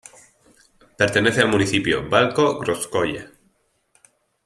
Pertenece al municipio Balko-Grúzskoye.